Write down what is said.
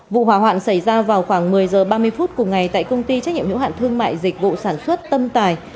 vụ hỏa hoạn xảy ra vào khoảng một mươi h ba mươi phút cùng ngày tại công ty trách nhiệm hiệu hạn thương mại dịch vụ sản xuất tâm tài